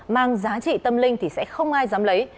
mang giá trị tâm linh thì sẽ không ai dám lấy